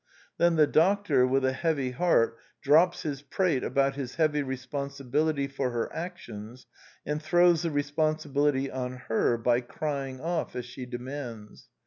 Then the doctor, with a heavy heart, drops his prate about his heavy re sponsibility for her actions, and throws the re sponsibility on her by crying off as she demands.